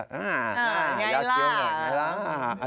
อยากเกียวหน่อยอยากเกียวหน่อย